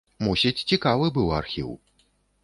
Мусіць, цікавы быў архіў.